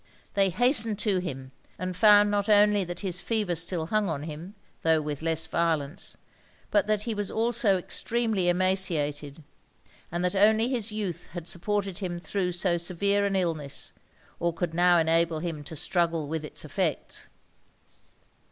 They hastened to him; and found not only that his fever still hung on him, tho' with less violence, but that he was also extremely emaciated; and that only his youth had supported him thro' so severe an illness, or could now enable him to struggle with it's effects.